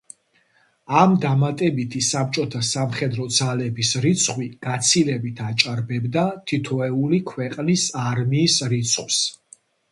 ამ დამატებითი საბჭოთა სამხედრო ძალების რიცხვი გაცილებით აჭარბებდა თითოეული ქვეყნის არმიის რიცხვს.